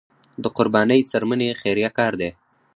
د قربانۍ څرمنې خیریه کار دی